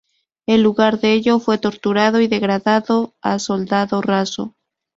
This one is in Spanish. En lugar de ello, fue torturado y degradado a soldado raso.